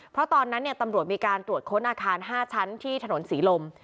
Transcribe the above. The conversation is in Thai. เพราะตอนนั้นตำรวจมีการตรวจค้นอาคาร๕ชั้นที่ถนนศรีลม